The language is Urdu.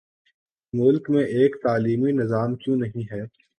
ملک میں ایک تعلیمی نظام کیوں نہیں ہے؟